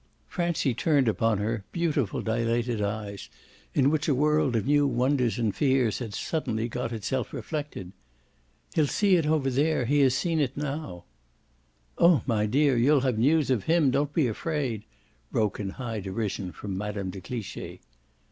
Francie turned upon her beautiful dilated eyes in which a world of new wonders and fears had suddenly got itself reflected. "He'll see it over there he has seen it now." "Oh my dear, you'll have news of him. Don't be afraid!" broke in high derision from Mme. de Cliche.